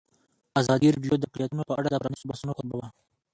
ازادي راډیو د اقلیتونه په اړه د پرانیستو بحثونو کوربه وه.